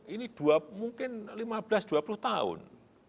ini mungkin lima belas dua puluh tahun